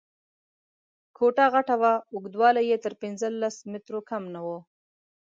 کوټه غټه وه، اوږدوالی یې تر پنځلس مترو کم نه و.